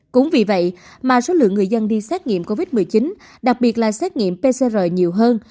cũng vì vậy mà số lượng người dân đi xét nghiệm covid một mươi chín đặc biệt là xét nghiệm pcr nhiều hơn